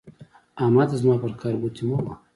احمده زما پر کار ګوتې مه وهه.